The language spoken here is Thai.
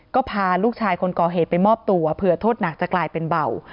ก็พาลูกชายคนก่อเหตุไปมอบตัวเผื่อโทษหนักจะกลายเป็นเบา